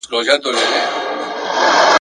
په خوب کي وینم چي کندهار وي !.